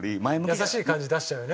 優しい感じ出しちゃうよね